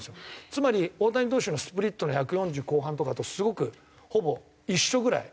つまり大谷投手のスプリットの１４０後半とかとすごくほぼ一緒ぐらい。